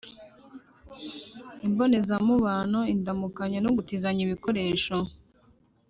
- imbonezamubano: indamukanyo no, gutizanya ibikoresho,